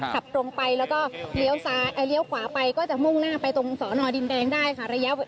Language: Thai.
ขับตรงไปแล้วก็เลี้ยวขวาไปก็จะมุ่งหน้าไปตรงสอนอดินแดงได้ค่ะ